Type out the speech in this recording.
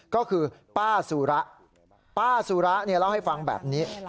ก็คือป้าสุระป้าสุระเล่าให้ฟังแบบนี้